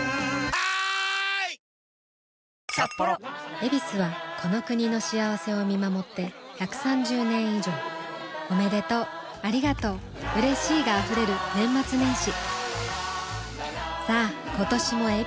「ヱビス」はこの国の幸せを見守って１３０年以上おめでとうありがとううれしいが溢れる年末年始さあ今年も「ヱビス」で